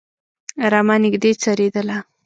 رمه نږدې څرېدله.